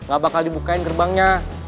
gak bakal dibukain gerbangnya